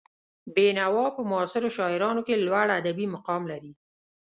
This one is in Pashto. بېنوا په معاصرو شاعرانو کې لوړ ادبي مقام لري.